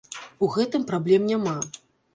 У гэтым праблем няма.